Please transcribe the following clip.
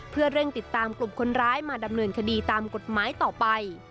เพื่อเร่งติดตามกลุ่มคนร้ายมาดำเนินคดีตามกฎหมายต่อไป